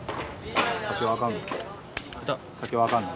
酒はあかんの？